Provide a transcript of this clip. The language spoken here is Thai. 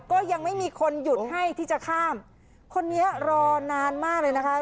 ก็ยังไม่มีคนหยุดให้ที่จะข้ามคนนี้รอนานมากเลยนะคะ